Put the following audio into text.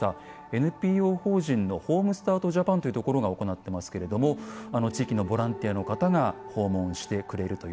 ＮＰＯ法人のホームスタートジャパンというところが行ってますけれども地域のボランティアの方が訪問してくれるという。